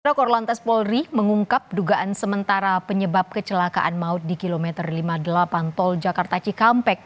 prakor lantas polri mengungkap dugaan sementara penyebab kecelakaan maut di kilometer lima puluh delapan tol jakarta cikampek